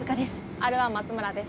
Ｒ１松村です。